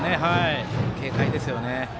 軽快ですよね。